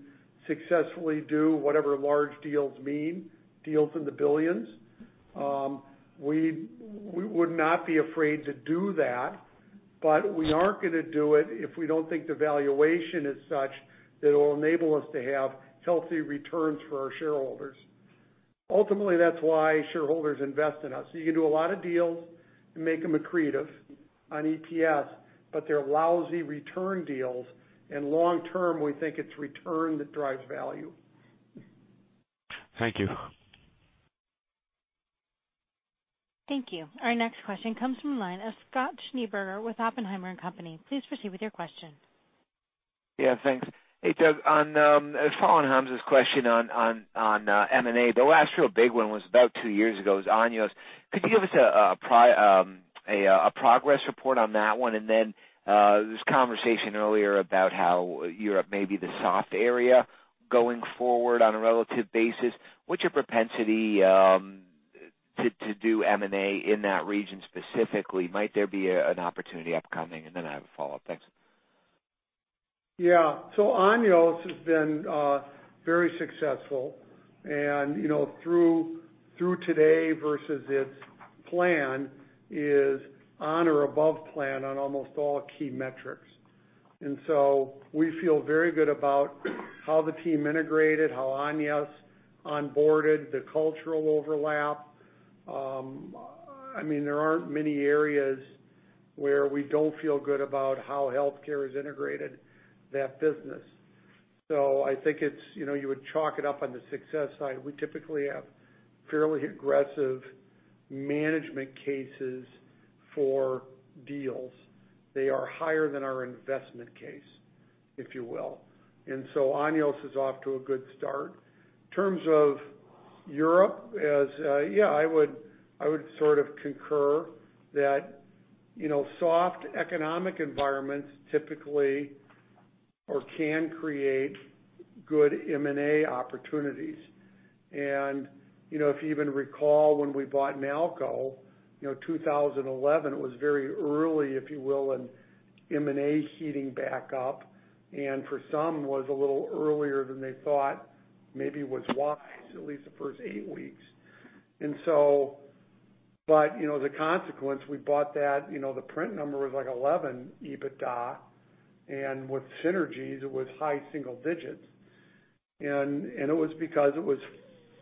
successfully do whatever large deals mean, deals in the billions. We would not be afraid to do that, but we aren't going to do it if we don't think the valuation is such that it'll enable us to have healthy returns for our shareholders. Ultimately, that's why shareholders invest in us. You can do a lot of deals and make them accretive on EPS, but they're lousy return deals, and long term, we think it's return that drives value. Thank you. Thank you. Our next question comes from the line of Scott Schneeberger with Oppenheimer and Company. Please proceed with your question. Yeah, thanks. Hey, Doug, following Hamzah Mazari's question on M&A, the last real big one was about two years ago. It was Anios. Could you give us a progress report on that one? There was conversation earlier about how Europe may be the soft area going forward on a relative basis. What's your propensity to do M&A in that region specifically? Might there be an opportunity upcoming? I have a follow-up. Thanks. Yeah. Anios has been very successful and through today versus its plan, is on or above plan on almost all key metrics. We feel very good about how the team integrated, how Anios onboarded, the cultural overlap. There aren't many areas where we don't feel good about how healthcare has integrated that business. I think you would chalk it up on the success side. We typically have fairly aggressive management cases for deals. They are higher than our investment case, if you will. Anios is off to a good start. In terms of Europe, I would sort of concur that soft economic environments typically or can create good M&A opportunities. If you even recall when we bought Nalco, 2011, it was very early, if you will, in M&A heating back up, and for some was a little earlier than they thought maybe was wise, at least the first eight weeks. The consequence, we bought that. The print number was like 11 EBITDA, and with synergies, it was high single digits. It was because it was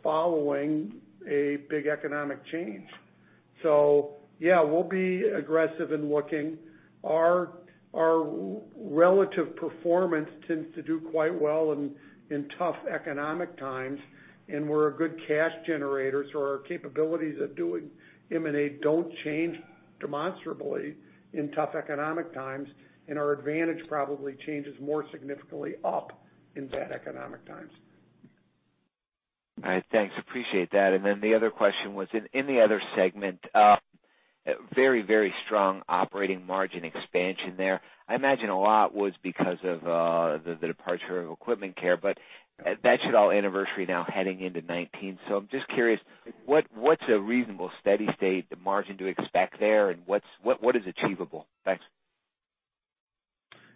following a big economic change. Yeah, we'll be aggressive in looking. Our relative performance tends to do quite well in tough economic times, and we're a good cash generator. Our capabilities of doing M&A don't change demonstrably in tough economic times, and our advantage probably changes more significantly up in bad economic times. All right. Thanks. Appreciate that. The other question was, in the other segment, very strong operating margin expansion there. I imagine a lot was because of the departure of Equipment Care, but that should all anniversary now heading into 2019. I'm just curious, what's a reasonable steady state margin to expect there, and what is achievable? Thanks.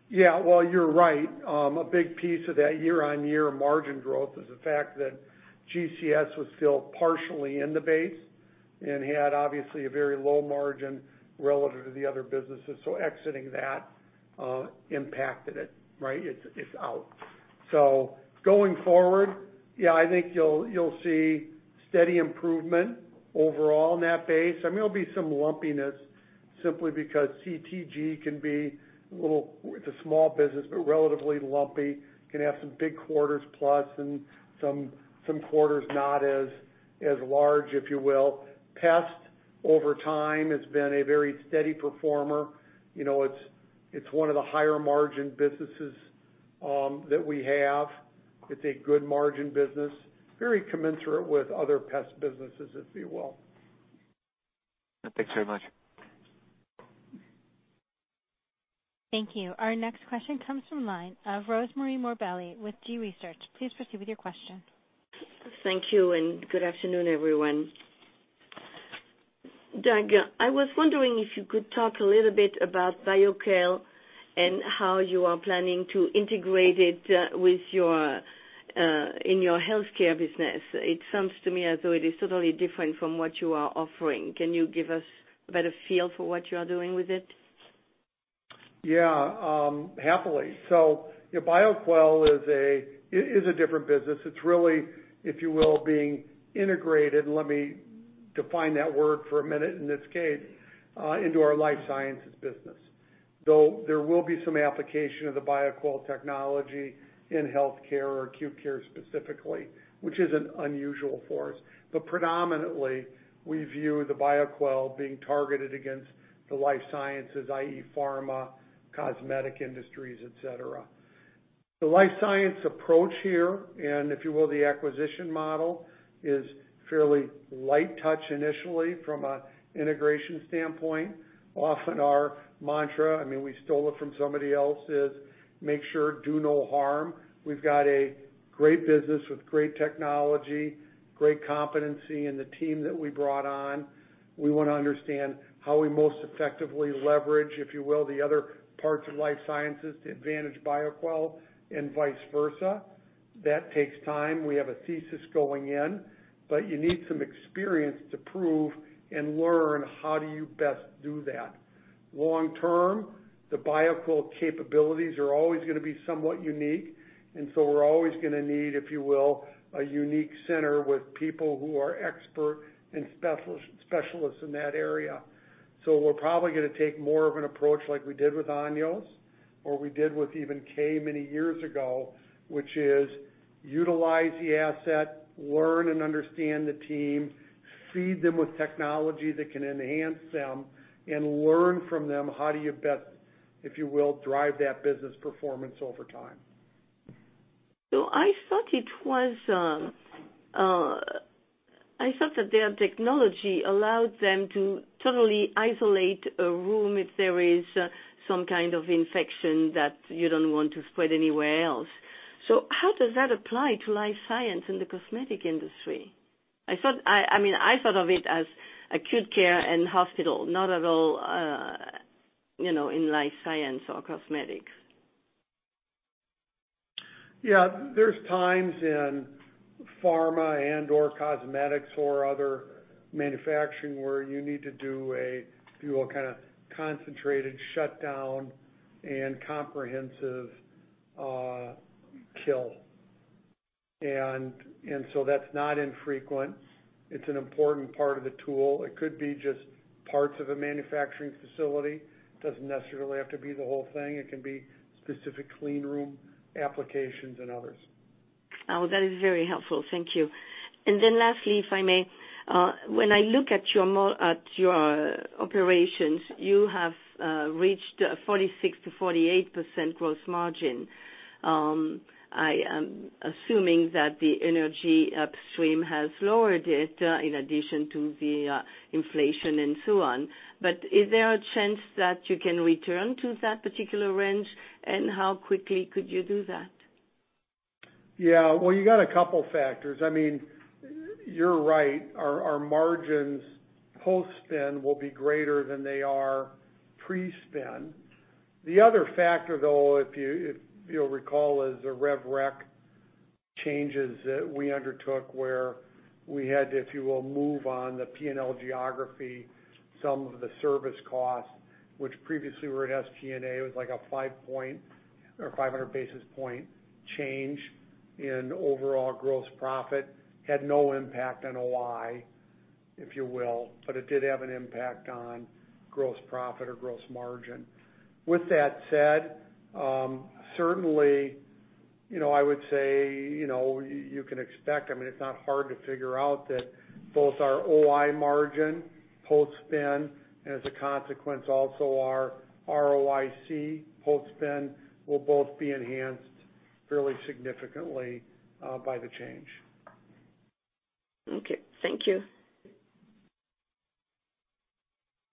Yeah. Well, you're right. A big piece of that year-on-year margin growth is the fact that GCS was still partially in the base and had obviously a very low margin relative to the other businesses. Exiting that impacted it. It's out. Going forward, yeah, I think you'll see steady improvement overall in that base. There'll be some lumpiness simply because CTG can be a small business, but relatively lumpy, can have some big quarters plus, and some quarters not as large, if you will. Pest over time has been a very steady performer. It's one of the higher margin businesses that we have. It's a good margin business, very commensurate with other pest businesses, if you will. Thanks very much. Thank you. Our next question comes from line of Rosemarie Morbelli with G.research. Please proceed with your question. Thank you, and good afternoon, everyone. Doug, I was wondering if you could talk a little bit about Bioquell and how you are planning to integrate it in your healthcare business. It sounds to me as though it is totally different from what you are offering. Can you give us a better feel for what you are doing with it? Yeah. Happily. Bioquell is a different business. It's really, if you will, being integrated, let me define that word for a minute in this case, into our Life Sciences business. Though there will be some application of the Bioquell technology in healthcare or acute care specifically, which isn't unusual for us. Predominantly, we view the Bioquell being targeted against the Life Sciences, i.e., pharma, cosmetic industries, et cetera. The life science approach here, and if you will, the acquisition model, is fairly light touch initially from an integration standpoint. Often our mantra, we stole it from somebody else, is make sure do no harm. We've got a great business with great technology, great competency in the team that we brought on. We want to understand how we most effectively leverage, if you will, the other parts of Life Sciences to advantage Bioquell and vice versa. That takes time. We have a thesis going in, you need some experience to prove and learn how do you best do that. Long term, the Bioquell capabilities are always going to be somewhat unique, we're always going to need, if you will, a unique center with people who are expert and specialists in that area. We're probably going to take more of an approach like we did with Anios, or we did with even Kay many years ago, which is utilize the asset, learn and understand the team, feed them with technology that can enhance them, and learn from them how do you best, if you will, drive that business performance over time. I thought that their technology allowed them to totally isolate a room if there is some kind of infection that you don't want to spread anywhere else. How does that apply to life science and the cosmetic industry? I thought of it as acute care and hospital, not at all in life science or cosmetics. There's times in pharma and/or cosmetics or other manufacturing where you need to do a kind of concentrated shutdown and comprehensive kill. That's not infrequent. It's an important part of the tool. It could be just parts of a manufacturing facility. It doesn't necessarily have to be the whole thing. It can be specific clean room applications and others. That is very helpful. Thank you. Lastly, if I may, when I look at your operations, you have reached a 46%-48% gross margin. I am assuming that the energy upstream has lowered it in addition to the inflation and so on. Is there a chance that you can return to that particular range, and how quickly could you do that? Well, you got a couple factors. You're right, our margins post-spin will be greater than they are pre-spin. The other factor, though, if you'll recall, is the rev rec changes that we undertook where we had, if you will, move on the P&L geography some of the service costs, which previously were at SG&A. It was like a 500 basis point change in overall gross profit. Had no impact on OI, if you will, but it did have an impact on gross profit or gross margin. With that said, certainly, I would say you can expect, it's not hard to figure out that both our OI margin post-spin, and as a consequence also our ROIC post-spin, will both be enhanced fairly significantly by the change. Okay. Thank you.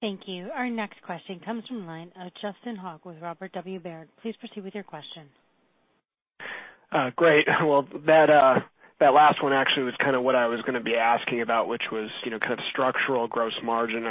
Thank you. Our next question comes from the line of Justin Hauke with Robert W. Baird. Please proceed with your question. Great. Well, that last one actually was kind of what I was going to be asking about, which was kind of structural gross margin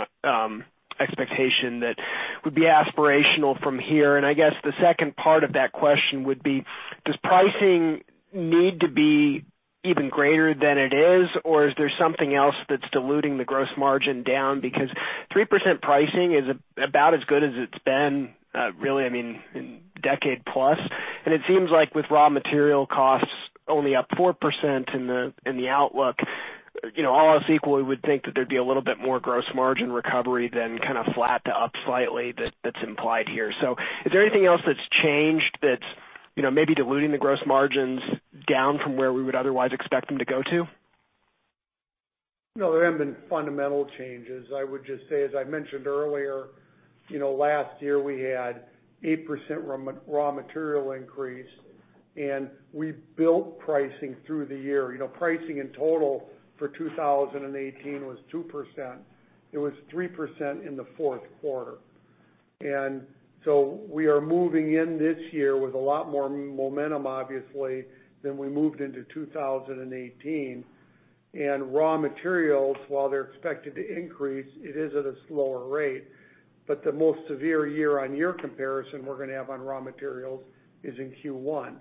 expectation that would be aspirational from here. I guess the second part of that question would be, does pricing need to be even greater than it is, or is there something else that's diluting the gross margin down? 3% pricing is about as good as it's been really in decade-plus. It seems like with raw material costs only up 4% in the outlook, all else equal, we would think that there'd be a little bit more gross margin recovery than kind of flat to up slightly that's implied here. Is there anything else that's changed that's maybe diluting the gross margins down from where we would otherwise expect them to go to? No, there haven't been fundamental changes. I would just say, as I mentioned earlier, last year we had 8% raw material increase, we built pricing through the year. Pricing in total for 2018 was 2%. It was 3% in the fourth quarter. We are moving in this year with a lot more momentum, obviously, than we moved into 2018. Raw materials, while they're expected to increase, it is at a slower rate. The most severe year-on-year comparison we're going to have on raw materials is in Q1,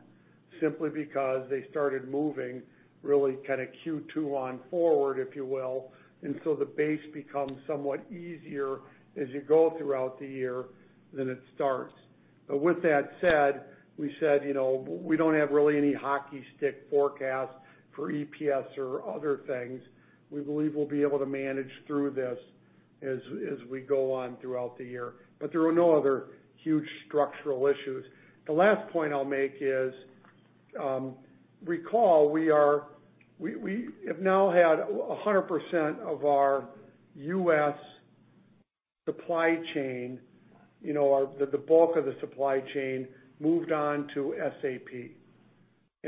simply because they started moving really kind of Q2 on forward, if you will. The base becomes somewhat easier as you go throughout the year than it starts. With that said, we said, we don't have really any hockey stick forecast for EPS or other things. We believe we'll be able to manage through this as we go on throughout the year. There are no other huge structural issues. The last point I'll make is, recall we have now had 100% of our U.S. supply chain, the bulk of the supply chain moved on to SAP.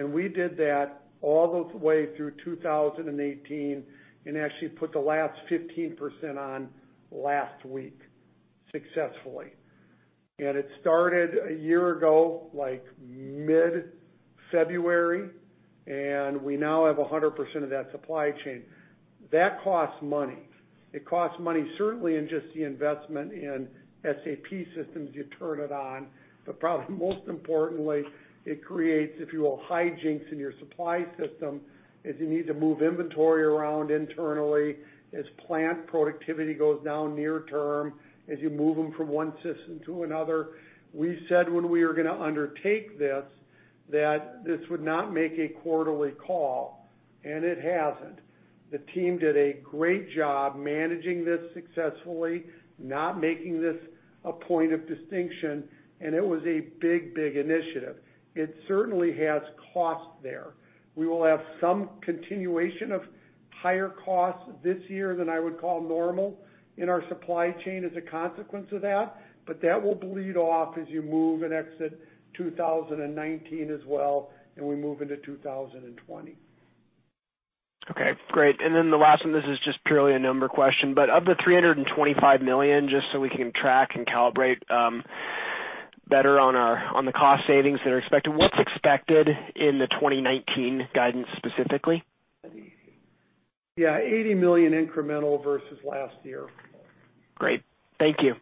We did that all the way through 2018 and actually put the last 15% on last week successfully. It started a year ago, like mid-February, and we now have 100% of that supply chain. That costs money. It costs money certainly in just the investment in SAP systems, you turn it on. Probably most importantly, it creates, if you will, hijinks in your supply system as you need to move inventory around internally, as plant productivity goes down near term, as you move them from one system to another. We said when we were going to undertake this, that this would not make a quarterly call, and it hasn't. The team did a great job managing this successfully, not making this a point of distinction, and it was a big initiative. It certainly has costs there. We will have some continuation of higher costs this year than I would call normal in our supply chain as a consequence of that, but that will bleed off as you move and exit 2019 as well, and we move into 2020. Okay, great. The last one, this is just purely a number question, of the $325 million, just so we can track and calibrate better on the cost savings that are expected, what's expected in the 2019 guidance specifically? Yeah, $80 million incremental versus last year. Great. Thank you.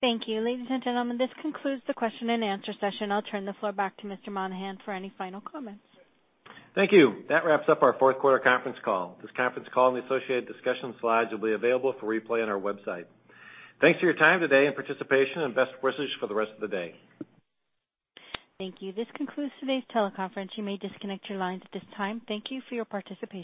Thank you. Ladies and gentlemen, this concludes the question and answer session. I'll turn the floor back to Mr. Monahan for any final comments. Thank you. That wraps up our fourth quarter conference call. This conference call and the associated discussion slides will be available for replay on our website. Thanks for your time today and participation, and best wishes for the rest of the day. Thank you. This concludes today's teleconference. You may disconnect your lines at this time. Thank you for your participation.